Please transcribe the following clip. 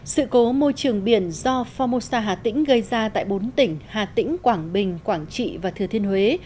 sự cố môi trường biển do phongmosa hà tĩnh gây ra tại bốn tỉnh hà tĩnh quảng bình quảng trị và thừa thiên huế